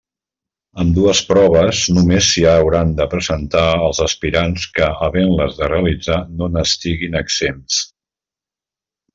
En ambdues proves només s'hi hauran de presentar els aspirants que havent-les de realitzar no n'estiguin exempts.